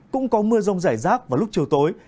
cũng có mưa rông rải rác vào lúc chiều tối